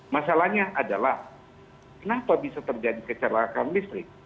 masalahnya adalah kenapa bisa terjadi kecelakaan listrik